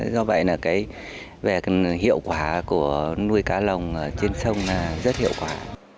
do vậy là cái về hiệu quả của nuôi cá lồng trên sông rất hiệu quả